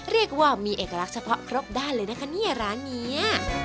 เรียกว่ามีเอกลักษณ์เฉพาะครบด้านเลยนะคะเนี่ยร้านนี้